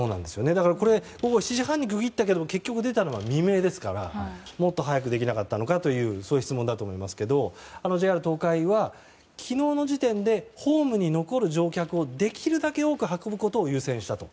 午後７時半に区切ったけど結局出たのは未明でしたからもっと早くできなかったのかという質問だと思いますけどＪＲ東海は昨日の時点でホームに残る乗客をできるだけ多く運ぶことを優先したと。